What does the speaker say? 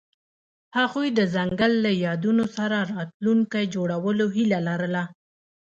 هغوی د ځنګل له یادونو سره راتلونکی جوړولو هیله لرله.